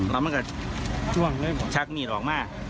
แล้วมันก็ชักหนีดออกมา